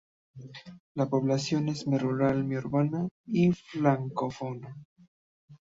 La población es mi rural mi urbana y francófona.